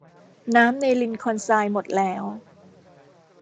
น้ำในลินคอล์นไชร์หมดแล้ว